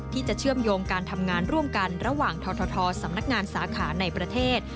เชื่อมโยงการทำงานร่วมกันระหว่างททสำนักงานสาขาในประเทศ